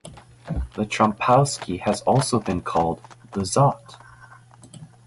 The Trompowsky has also been called "The Zot".